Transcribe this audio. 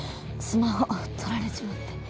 スマホ取られちまって。